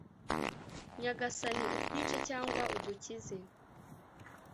nyagasani, utwice cyangwa udukize